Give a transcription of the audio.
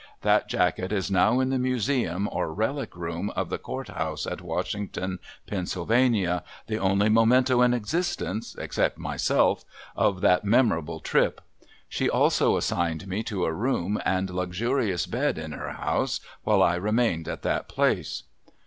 That jacket is now in the museum or relic room of the Court House at Washington, Pa., the only memento in existence except myself of that memorable trip. She also assigned me to a room and luxurious bed in her house while I remained at that place.